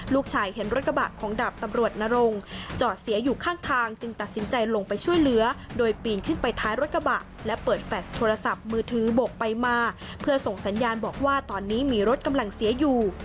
ลูกชายเห็นรถกระบะของดาบตำรวจนรงจอดเสียอยู่ข้างทางจึงตัดสินใจลงไปช่วยเหลือโดยปีนขึ้นไปท้ายรถกระบะและเปิดแฟสโทรศัพท์มือถือบกไปมาเพื่อส่งสัญญาณบอกว่าตอนนี้มีรถกำลังเสียอยู่